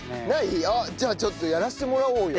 あっじゃあちょっとやらせてもらおうよ。